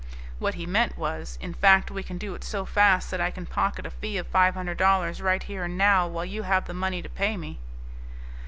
What he meant was, "In fact, we can do it so fast that I can pocket a fee of five hundred dollars right here and now while you have the money to pay me."